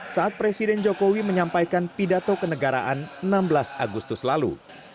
saat presiden jokowi menyampaikan pidato kenegaraan enam belas agustus lalu